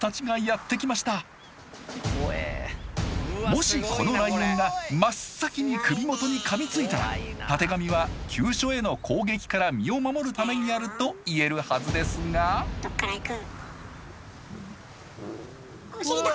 もしこのライオンが真っ先に首元にかみついたらたてがみは急所への攻撃から身を守るためにあると言えるはずですがお尻だ！